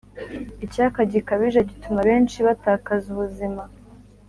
icyaka gikabije gituma benshi batakaza ubuzima.